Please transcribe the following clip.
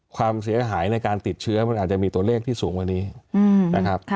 ความเสียหายในการติดเชื้อมันอาจจะมีตัวเลขที่สูงกว่านี้นะครับ